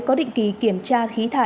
có định ký kiểm tra